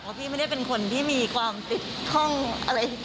พี่ไม่ได้เป็นคนที่มีความติดท่องอะไร